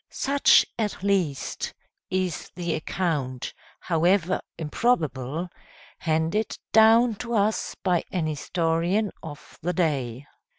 Such, at least, is the account, however improbable, handed down to us by an historian of the day.